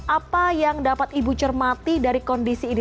apa yang dapat ibu cermati dari kondisi ini